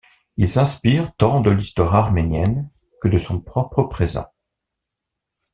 Il s'inspire tant de l'histoire arménienne que de son propre présent.